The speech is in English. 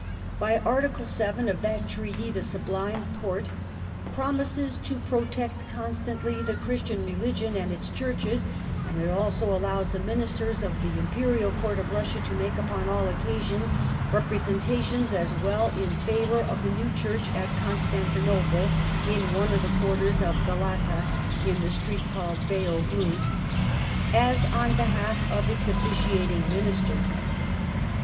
By Article VII. of that treaty the Sublime Porte " promises to protect constantly the Christian religion and its Churches, and it also allows the Ministei s of the Imperial Court of Russia to make upon all occasions representations as well in favour of the new Church at Constantinople {' in one of the quartere of Galata, in the street called Bey Oglu,') ... as on behalf of its officiating Ministers